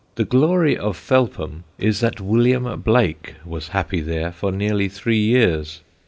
The glory of Felpham is that William Blake was happy there for nearly three years.